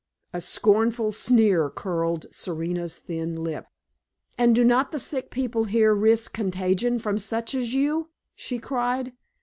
A scornful sneer curled Serena's thin lip. "And do not the sick people here risk contagion from such as you?" she cried.